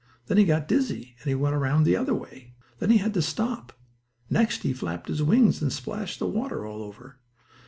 Then he got dizzy, and went around the other way. Then he had to stop. Next he flapped his wings and splashed the water all over.